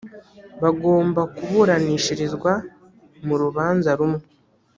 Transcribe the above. bagomba kuburanishirizwa mu rubanza rumwe `